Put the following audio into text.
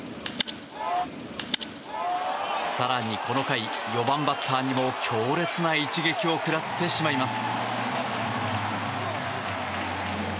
更にこの回、４番バッターにも強烈な一撃を食らってしまいます。